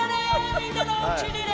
みんなのおうちにね。